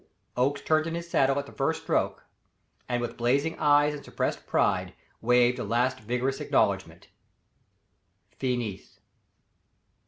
Oakes turned in his saddle at the first stroke and, with blazing eyes and suppressed pride, waved a last vigorous acknowledgment. FINIS.